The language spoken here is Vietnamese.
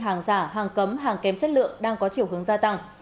hàng giả hàng cấm hàng kém chất lượng đang có chiều hướng gia tăng